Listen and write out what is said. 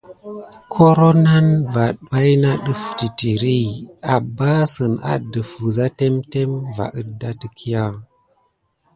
Koro nane va baïna ɗəf titiri, ambassəne adəf wəza témtém va ədda təkya.